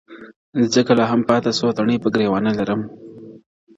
ځکه لا هم پاته څو تڼۍ پر ګرېوانه لرم،